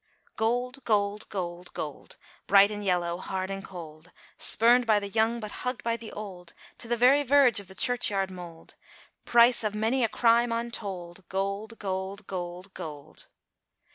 " Gold! gold! gold! gold ! Bright and yellow, hard and cold, Spurned by the young, but hugged by the old, To the very verge of the churchyard mold; Price of many a crime untold ; Gold ! gold ! gold ! gold